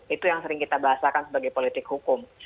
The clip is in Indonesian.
itu yang sering kita bahasakan sebagai politik hukum